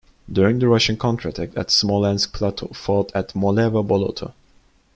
During the Russian counter-attack at Smolensk Platov fought at Molevo Boloto.